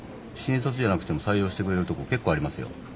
新卒じゃなくても採用してくれるとこ結構ありますよ。